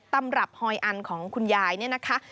ตำรับฮอยอันของคุณยายเนี่ยนะคะ